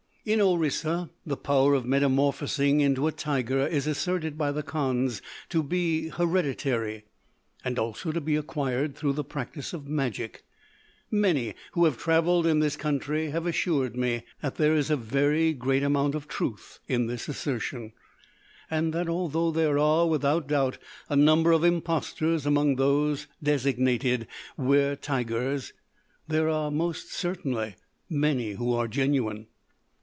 In Orissa, the power of metamorphosing into a tiger is asserted by the Kandhs to be hereditary, and also to be acquired through the practice of magic; many who have travelled in this country have assured me that there is a very great amount of truth in this assertion; and that although there are, without doubt, a number of impostors among those designated wer tigers, there are most certainly many who are genuine.